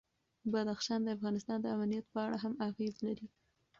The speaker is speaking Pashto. بدخشان د افغانستان د امنیت په اړه هم اغېز لري.